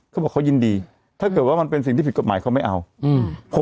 เขาบอกเขายินดีถ้าเกิดว่ามันเป็นสิ่งที่ผิดกฎหมายเขาไม่เอาอืม